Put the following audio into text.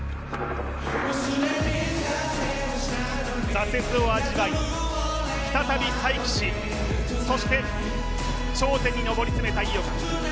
挫折を味わい、再び再起し、そして頂点に上り詰めた井岡。